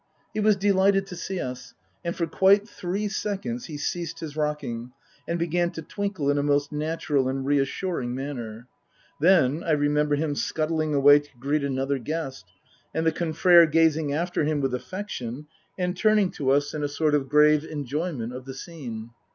He was delighted to see us, and for quite three seconds he ceased his rocking and began to twinkle in a most natural and reassuring manner. Then I remember him scuttling away to greet another guest, and the confrere gazing after him with affection and turning to us in a sort 190 Tasker Jevons of grave enjoyment of the scene.